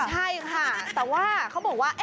ใช่ค่ะแต่ว่าเขาบอกว่า